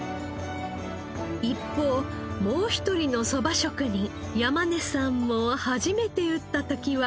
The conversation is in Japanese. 一方もう一人のそば職人山根さんも初めて打った時は。